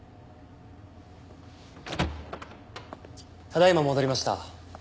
ただ今戻りました。